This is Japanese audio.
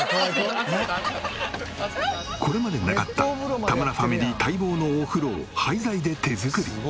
これまでなかった田村ファミリー待望のお風呂を廃材で手作り。